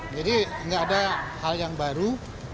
jadi tidak ada hal yang baru